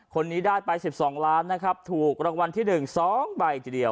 คนนี้ได้ไป๑๒ล้านนะครับถูกรางวัลที่๑๒ใบทีเดียว